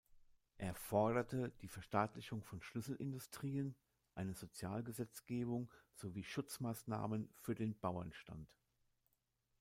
Es forderte die Verstaatlichung von Schlüsselindustrien, eine Sozialgesetzgebung sowie Schutzmaßnahmen für den Bauernstand.